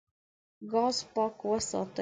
ګاز پاک وساتئ.